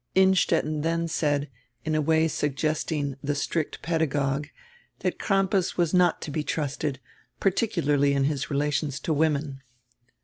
Innstetten then said, in a way suggesting die strict pedagogue, that Crampas was not to be trusted, particularly in his relations to women.